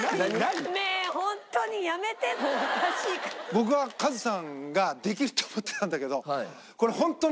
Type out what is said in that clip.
僕はカズさんができると思ってたんだけどこれホントの時間の問題があるから。